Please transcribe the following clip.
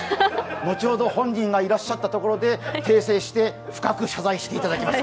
後ほど本人がいらっしゃったところで訂正して、深く謝罪させていただきます。